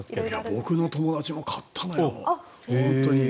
僕の友達も買ったのよ。